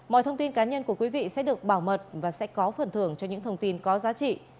mọi thông tin cá nhân của quý vị sẽ được bảo mật và sẽ có phần thưởng cho những thông tin có giá trị